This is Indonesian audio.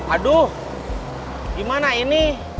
aduh gimana ini